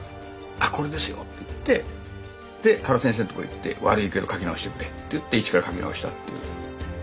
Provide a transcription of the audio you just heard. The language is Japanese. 「あこれですよ！」って言って原先生のとこ行って「悪いけど描き直してくれ」って言って一から描き直したという。